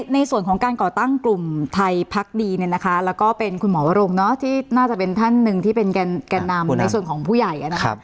ในส่วนของการก่อตั้งกลุ่มไทยพักดีเนี่ยนะคะแล้วก็เป็นคุณหมอวรงที่น่าจะเป็นท่านหนึ่งที่เป็นแก่นำในส่วนของผู้ใหญ่นะครับ